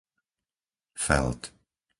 Feld